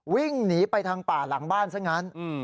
วิ่งหนีไปทางป่าหลังบ้านซะงั้น